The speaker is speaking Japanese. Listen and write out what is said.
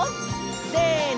せの！